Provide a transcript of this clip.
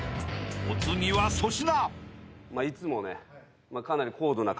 ［お次は粗品］